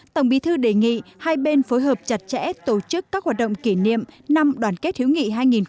tổng bí thư đề nghị hai bên phối hợp chặt chẽ tổ chức các hoạt động kỷ niệm năm đoàn kết hữu nghị hai nghìn một mươi chín